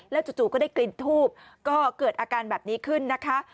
จู่ก็ได้กลิ่นทูบก็เกิดอาการแบบนี้ขึ้นนะคะ